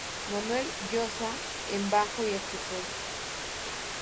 Manuel Llosa en bajo y accesorios.